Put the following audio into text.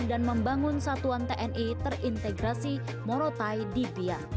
dan membangun satuan tni terintegrasi morotai di pia